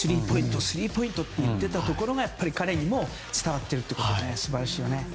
スリーポイントと言っていたことが彼にも伝わっているということで素晴らしい。